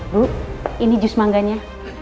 bu ini jus manggannya